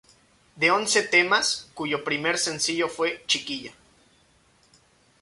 De once temas, cuyo primer sencillo fue "Chiquilla".